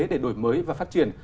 để đổi mới và phát triển